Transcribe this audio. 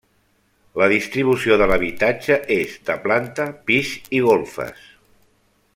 La distribució de l'habitatge és de planta, pis i golfes.